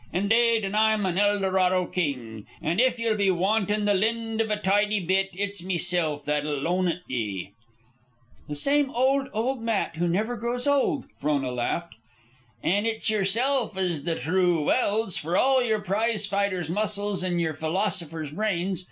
Indade, and I'm an Eldorado king; an' if ye'll be wantin' the lind iv a tidy bit, it's meself that'll loan it ye." "The same old, old Matt, who never grows old," Frona laughed. "An' it's yerself is the thrue Welse, for all yer prize fighter's muscles an' yer philosopher's brains.